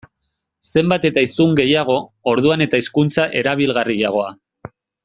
Zenbat eta hiztun gehiago, orduan eta hizkuntza erabilgarriagoa.